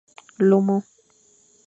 Lomo.